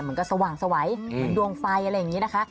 มันก็สว่างสวัยเหมือนดวงไฟอะไรอย่างนี้นะคะ